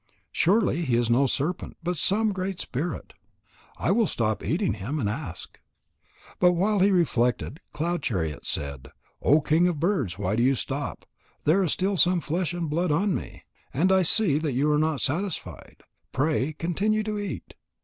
Surely, he is no serpent, but some great spirit. I will stop eating him and ask him." But while he reflected, Cloud chariot said: "O king of birds, why do you stop? There is still some flesh and blood on me, and I see that you are not satisfied. Pray continue to eat."